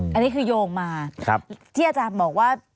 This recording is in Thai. อันนี้คือโยงมาที่อาจารย์บอกว่า